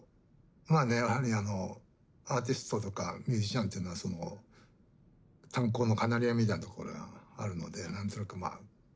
まあねやはりあのアーティストとかミュージシャンっていうのは炭鉱のカナリアみたいなところがあるので何となくまあ感じるんでしょうね。